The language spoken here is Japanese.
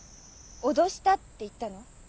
「脅した」って言ったの？